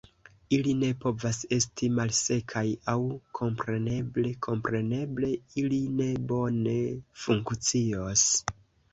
Ili ne povas esti malsekaj, aŭ kompreneble, kompreneble ili ne bone funkcios.